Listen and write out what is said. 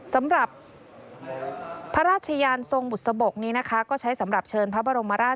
สำหรับพระราชยานทรงบุษบกนี้นะคะก็ใช้สำหรับเชิญพระบรมราช